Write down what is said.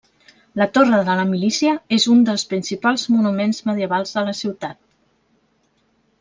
La Torre de la Milícia és un dels principals monuments medievals de la ciutat.